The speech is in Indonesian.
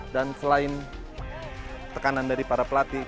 dan selain tekanan dari para pelatih